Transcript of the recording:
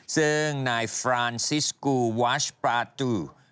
ซึ่งนายฟรานซิสกูวาชปราจู